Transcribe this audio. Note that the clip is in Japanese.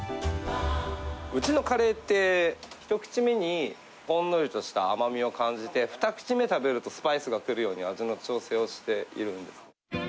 うちのカレーって、１口目にほんのりとした甘みを感じて、２口目食べると、スパイスが来るように味の調整をしているんです。